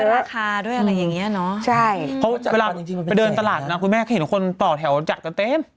ราคาด้วยอะไรอย่างเงี้ยเนอะใช่เพราะเวลาจริงไปเดินตลาดนะคุณแม่เห็นคนต่อแถวจัดกันเต็ม